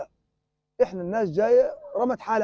saya menjaga mereka